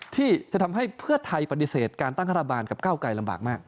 ที่จะทำให้เพื่อไทยปฏิเสธการตั้งรัฐบาลกับก้าวไกลลำบากมาก